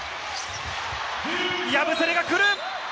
ヤブセレが来る！